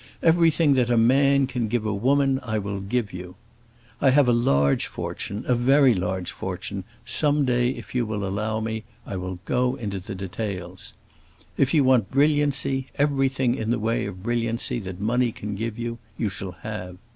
Everything that a man can give a woman I will give you. I have a large fortune, a very large fortune; some day, if you will allow me, I will go into details. If you want brilliancy, everything in the way of brilliancy that money can give you, you shall have.